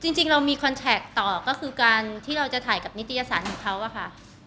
จริงจริงเรามีต่อก็คือการที่เราจะถ่ายกับนิติโยศานส์อยู่เขาอ่ะค่ะ